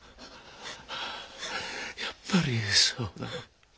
やっぱりそうだ。